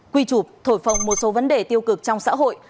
quy chụp thổi phồng một số vấn đề tiêu cực trong xã hội